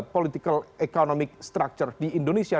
politikal ekonomi struktur di indonesia